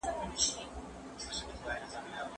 دوی له هغو امتيازاتو برخمن دي چي مسلمانان يې لري.